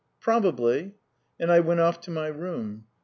"Probably." And I went off to my room.